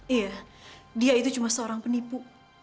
iya dia itu cuma seorang penipu